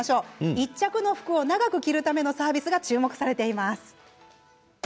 １着の服を長く着るためのサービスが注目されています。